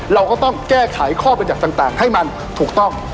เราก็ต้องแก้ไขข้อบรรยัติต่างให้มันถูกต้อง